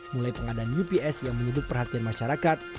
mulai pengadaan ups yang menyeduh perhatian masyarakat